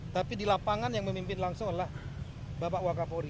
tapi di lapangan yang memimpin langsung adalah bapak wakapori